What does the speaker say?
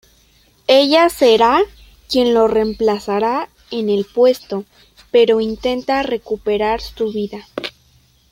Ella será quien lo reemplazará en el puesto; pero intenta recuperar su vida.